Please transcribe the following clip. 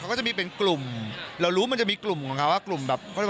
เขาก็จะมีเป็นกลุ่มเรารู้มันจะมีกลุ่มของเขาว่ากลุ่มแบบ